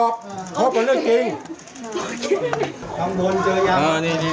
ผมตอบเพราะคนเลือกกิน